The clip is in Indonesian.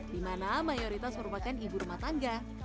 dimana mayoritas merupakan ibu rumah tangga